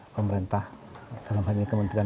pemerintah dalam hal ini kementerian